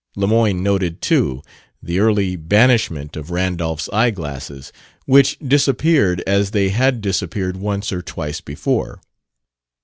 Lemoyne noted, too, the early banishment of Randolph's eyeglasses, which disappeared as they had disappeared once or twice before.